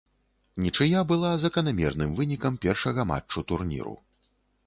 Нічыя была заканамерным вынікам першага матчу турніру.